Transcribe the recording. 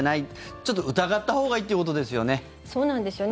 ちょっと疑ったほうがいいということですよね。